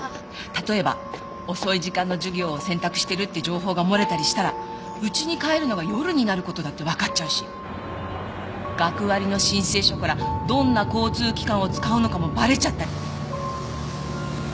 例えば遅い時間の授業を選択してるって情報が漏れたりしたら家に帰るのが夜になる事だってわかっちゃうし学割の申請書からどんな交通機関を使うのかもバレちゃったり。